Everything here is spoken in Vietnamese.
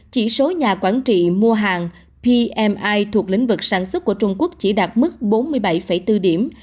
chỉ số nhà quản trị mua hàng pmi thuộc lĩnh vực sản xuất của trung quốc chỉ đạt mức bốn mươi bảy bốn điểm